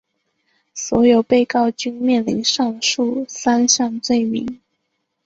所有被告均面临上述三项罪名。